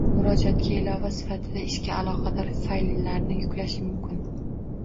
Murojaatga ilova sifatida ishga aloqador fayllarni yuklash mumkin.